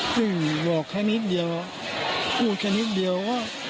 ซึ่งบอกแค่นิดเดียวพูดแค่นิดเดียวว่า